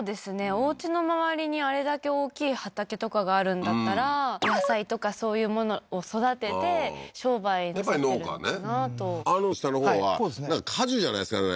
おうちの周りにあれだけ大きい畑とかがあるんだったら野菜とかそういうものを育てて商売されてるのかなとあの下のほうは果樹じゃないですかね